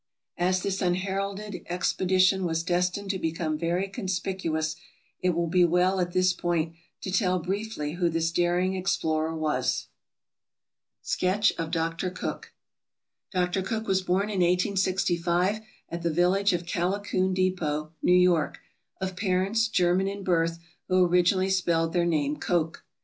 As this unheralded expedition was destined to become very conspicuous it will be well at this point to tell briefly who this daring explorer was. 470 TRAVELERS AND EXPLORERS Sketch of Dr. Cook Dr. Cook was born in 1865, at the village of Callicoon Depot, N. Y., of parents, German in birth, who originally spelled their name Koch.